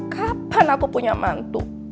kapan aku punya mantu